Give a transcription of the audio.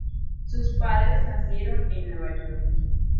Sus padres nacieron en Nueva York.